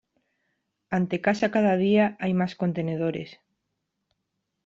Ante casa cada día hay más contenedores.